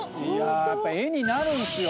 やっぱ絵になるんすよ。